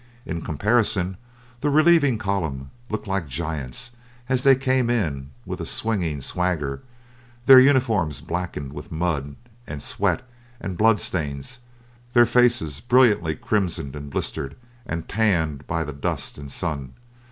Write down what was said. In comparison the relieving column looked like giants as they came in with a swinging swagger, their uniforms blackened with mud and sweat and bloodstains, their faces brilliantly crimsoned and blistered and tanned by the dust and sun.